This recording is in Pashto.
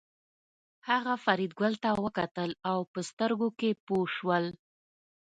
هغه فریدګل ته وکتل او په سترګو کې پوه شول